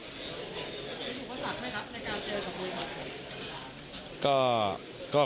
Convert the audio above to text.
เป็นผิดผัวสักไหมครับในการเจอกับตัว